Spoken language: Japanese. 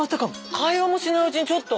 会話もしないうちにちょっと。